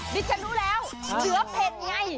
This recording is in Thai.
ดิฉันรู้แล้วเชื้อเพ็งไง